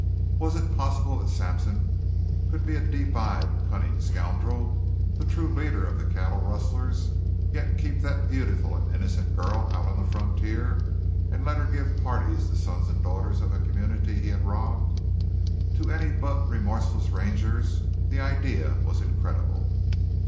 Was it possible that Sampson could be a deep eyed, cunning scoundrel, the true leader of the cattle rustlers, yet keep that beautiful and innocent girl out on the frontier and let her give parties to sons and daughters of a community he had robbed? To any but remorseless Rangers the idea was incredible.